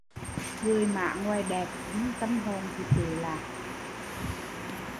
Người mã ngoài đẹp nhưng tăm hồn thì trụy lạc